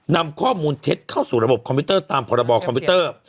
นำข้อมูลเท็จเข้าสู่ระบบคอมพิวเตอร์ตามพรบคอมพิวเตอร์